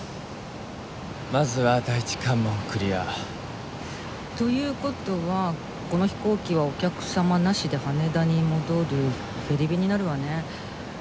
まずは第一関門クリア。という事はこの飛行機はお客様なしで羽田に戻るフェリー便になるわね。